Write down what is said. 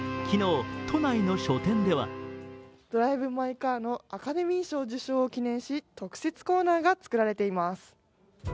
昨日都内の書店では「ドライブ・マイ・カー」のアカデミー賞受賞を記念し特設コーナーが作られています。